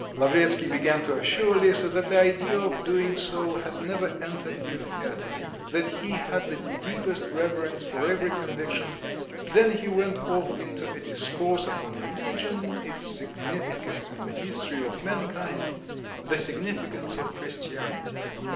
Lavretsky began to assure Lisa that the idea of doing so had never entered his head, that he had the deepest reverence for every conviction; then he went off into a discourse upon religion, its significance in the history of mankind, the significance of Christianity.